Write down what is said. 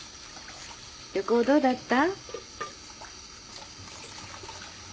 旅行どうだった？